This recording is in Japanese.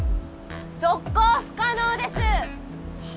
続行不可能ですはあ？